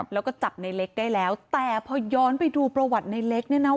แล้วก็จับในเล็กได้แล้วแต่พอย้อนไปดูประวัติในเล็กเนี่ยนะ